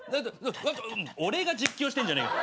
俺が実況してんじゃねえか。